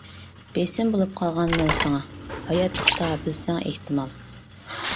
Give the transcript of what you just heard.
بېسىم بولۇپ قالغان مەن ساڭا، ھاياتلىقتا بىلسەڭ ئېھتىمال.